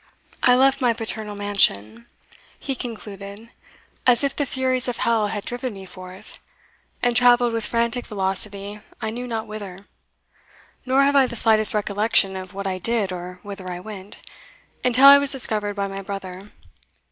"I left my paternal mansion," he concluded, "as if the furies of hell had driven me forth, and travelled with frantic velocity I knew not whither. Nor have I the slightest recollection of what I did or whither I went, until I was discovered by my brother.